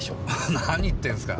何言ってんすか。